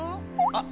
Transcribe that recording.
あっ。